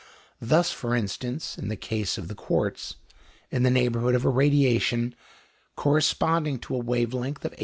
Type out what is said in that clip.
Thus, for instance, in the case of the quartz, in the neighbourhood of a radiation corresponding to a wave length of 8.